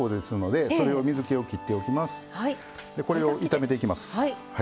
でこれを炒めていきます。